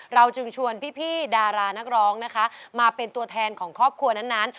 เราจึงชวนพี่ดารานักร้องนะคะมาเป็นตัวแทนของครอบครัวนั้น